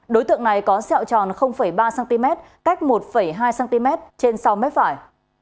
đối tượng này có xeo tròn ba cm cách một hai cm trên sau mếp phải